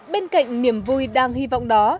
bên cạnh niềm vui đang hy vọng đó